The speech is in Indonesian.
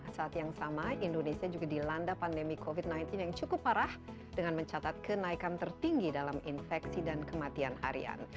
saat yang sama indonesia juga dilanda pandemi covid sembilan belas yang cukup parah dengan mencatat kenaikan tertinggi dalam infeksi dan kematian harian